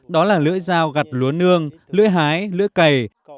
đó là lưỡi dao gặt lúa nương lưỡi hái lưỡi cây